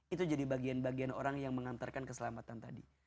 itu jadi bagian bagian orang yang mengantarkan keselamatan tadi